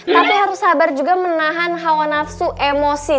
tapi harus sabar juga menahan hawa nafsu emosi